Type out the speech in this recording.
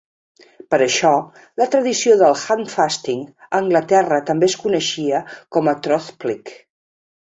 Per això, la tradició del "handfasting" a Anglaterra també es coneixia com a "troth-plight".